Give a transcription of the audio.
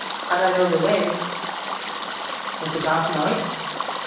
And I know the way." "But the dark night?"